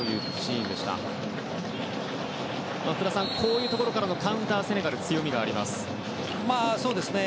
福田さん、こういうところからのカウンターセネガルは強みがありますね。